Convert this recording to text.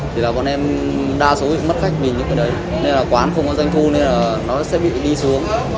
thì là bọn em đa số bị mất khách vì những cái đấy nên là quán không có doanh thu nên là nó sẽ bị đi xuống